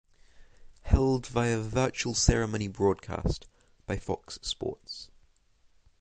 Held via virtual ceremony broadcast by Fox Sports.